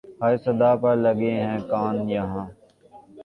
ہر صدا پر لگے ہیں کان یہاں